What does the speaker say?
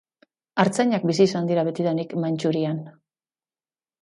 Artzainak bizi izan dira betidanik Mantxurian.